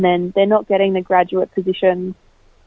dan mereka tidak mendapatkan posisi graduat